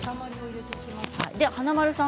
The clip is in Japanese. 華丸さん